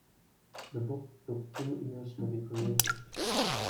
The book took two years to be created.